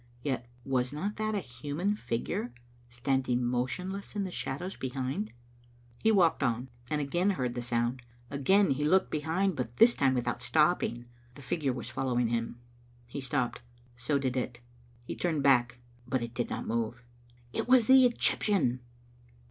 Yet was not that a human figure standing motionless in the shadow behind? He walked on, and again heard the sound. Again he looked behind, but this time without stopping. The figure was following him. He stopped. So did it. He turned back, but it did not move. It was the Egyptian